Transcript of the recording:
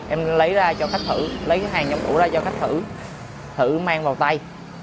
em lấy ra cho khách thử lấy hàng nhập củ ra cho khách thử thử mang vào tay